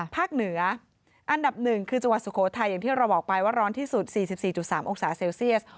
เหนืออันดับ๑คือจังหวัดสุโขทัยอย่างที่เราบอกไปว่าร้อนที่สุด๔๔๓องศาเซลเซียส